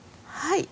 はい。